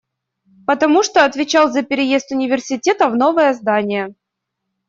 Потому что отвечал за переезд университета в новое здание.